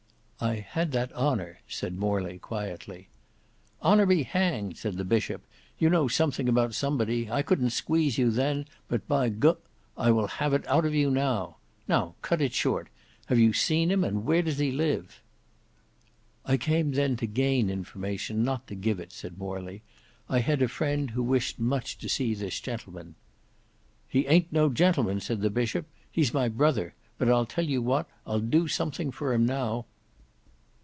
"I had that honour," said Morley quietly. "Honour be hanged," said the Bishop, "you know something about somebody; I couldn't squeeze you then, but by G— I will have it out of you now. Now, cut it short; have you seen him, and where does he live?" "I came then to gain information, not to give it," said Morley. "I had a friend who wished much to see this gentleman—" "He ayn't no gentleman," said the Bishop; "he's my brother: but I tell you what, I'll do something for him now.